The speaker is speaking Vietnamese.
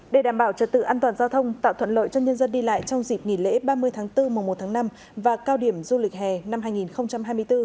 để đảm bảo trật tự an toàn giao thông tạo thuận lợi cho nhân dân đi lại trong dịp nghỉ lễ ba mươi tháng bốn mùa một tháng năm và cao điểm du lịch hè năm hai nghìn hai mươi bốn